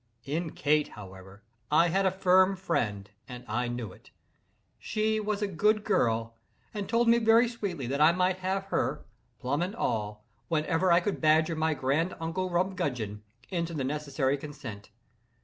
In Kate, however, I had a firm friend, and I knew it. She was a good girl, and told me very sweetly that I might have her (plum and all) whenever I could badger my grand uncle Rumgudgeon, into the necessary consent.